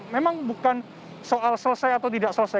memang bukan soal selesai atau tidak selesai